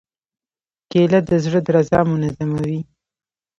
کېله د زړه درزا منظموي.